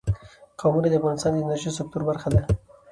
قومونه د افغانستان د انرژۍ سکتور برخه ده.